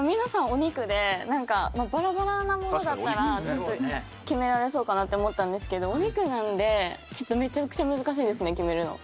お肉でバラバラなものだったら決められそうかなって思ったんですけどお肉なんでちょっとめちゃくちゃ難しいですね決めるの。